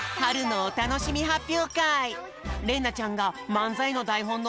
れんなちゃんがまんざいのだいほんの